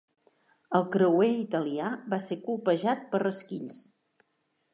El creuer italià va ser colpejat per resquills.